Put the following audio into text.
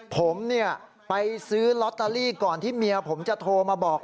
ผมเนี่ยไปซื้อลอตเตอรี่ก่อนที่เมียผมจะโทรมาบอก